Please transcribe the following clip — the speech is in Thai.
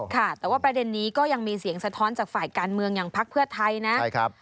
ค่ะแต่ว่าประเด็นนี้ก็ยังมีเสียงสะท้อนจากฝ่ายการเมืองอย่างพักเพื่อไทยนะ